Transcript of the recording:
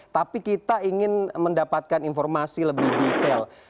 tapi kita ingin mendapatkan informasi lebih detail